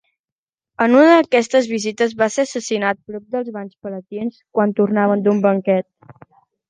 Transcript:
En una d'aquestes visites va ser assassinat prop dels Banys Palatins, quan tornava d'un banquet.